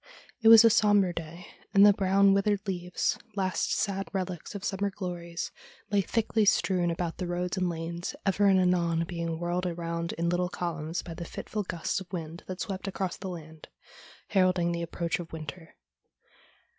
It was a sombre day, and the brown, withered leaves — last sad relics of summer glories — lay thickly strewn about the roads and lanes, ever and anon being whirled around in little columns by the fitful gusts of wind that swept across the land, heralding the approach of winter.